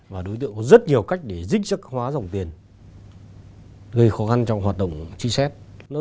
và đối tượng có rất nhiều cách để dích hóa dòng tiền gây khó khăn trong hoạt động truy xét